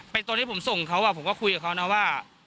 ตอนที่ผมส่งเขาผมก็คุยกับเขานะว่า